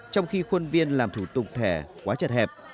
trong khi khuôn viên làm thủ tục thẻ quá chật hẹp